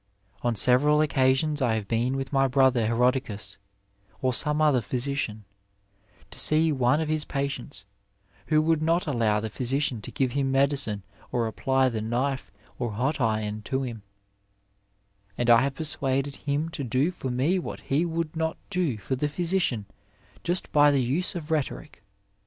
On several occafflons I have been with my brother Herodicus, or some other physician, to see one of his patients, who would not allow the phjrsician to give him medicine or apply the knife or hot iron to him ; and I have persuaded him to do for me what he would not do for the physician just by the use of rhetoric.